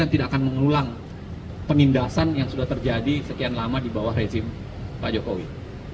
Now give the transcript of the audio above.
tidak akan mengulang penindasan yang sudah terjadi sekian lama di bawah rezim pak jokowi